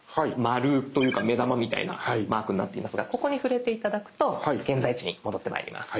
丸というか目玉みたいなマークになっていますがここに触れて頂くと現在地に戻ってまいります。